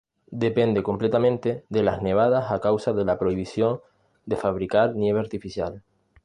Depende completamente de las nevadas a causa de la prohibición de fabricar nieve artificial.